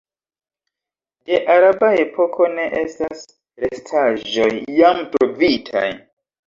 De araba epoko ne estas restaĵoj jam trovitaj.